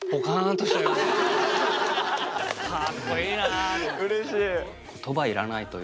かっこいいなと。